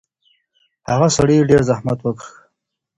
هغه سړي ډېر زحمت وکښی.